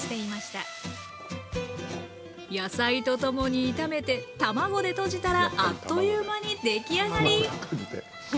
野菜と共に炒めて卵でとじたらあっという間に出来上がり！